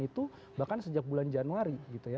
itu bahkan sejak bulan januari gitu ya